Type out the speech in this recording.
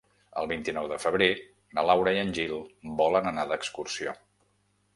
El vint-i-nou de febrer na Laura i en Gil volen anar d'excursió.